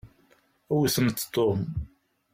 Wwtemt Tom.